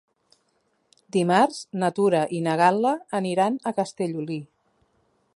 Dimarts na Tura i na Gal·la aniran a Castellolí.